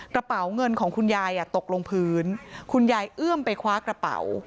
กระเป๋าเงินของคุณยายตกลงพื้นคุณยายเอื้อมไปคว้ากระเป๋า